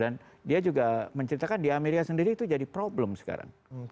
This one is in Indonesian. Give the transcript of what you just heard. dan dia juga menceritakan di amerika sendiri itu jadi problem sekarang